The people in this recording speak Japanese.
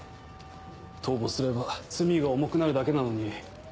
逃亡すれば罪が重くなるだけなのに。